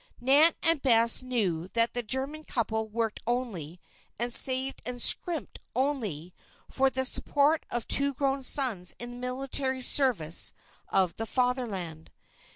Nan and Bess knew that the German couple worked only, and saved and "scrimped" only, for the support of two grown sons in the military service of the Fatherland.